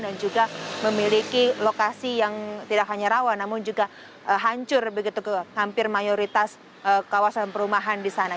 dan juga memiliki lokasi yang tidak hanya rawa namun juga hancur begitu ke hampir mayoritas kawasan perumahan di sana